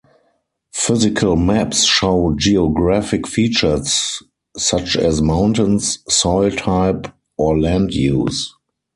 Physical maps show geographic features such as mountains, soil type or land use.